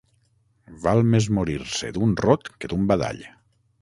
Val més morir-se d'un rot que d'un badall.